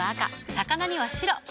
魚には白。